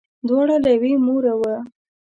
دواړه له یوې موره وه.